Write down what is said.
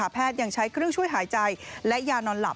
ยังใช้เครื่องช่วยหายใจและยานอนหลับ